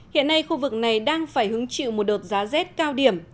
hiện nay khu vực này đang phải hứng chịu một đợt giá rét cao điểm